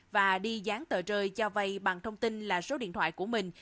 và đi dán tờ rơi cho vay bằng thông tin là số điện thoại của mình